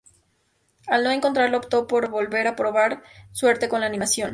Al no encontrarlo, optó por volver a probar suerte con la animación.